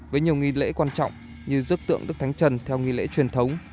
với nhiều nghi lễ quan trọng như rước tượng đức thánh trần theo nghi lễ truyền thống